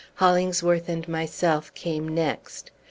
Hollingsworth and myself came next.